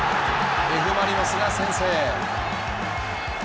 Ｆ・マリノスが先制。